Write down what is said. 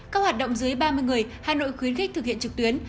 các hoạt động dưới ba mươi người hà nội khuyến khích thực hiện trực tuyến